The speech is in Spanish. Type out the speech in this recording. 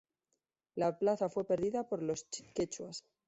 La plaza fue perdida por los quechuas.